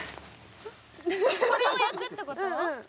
これを焼くってこと？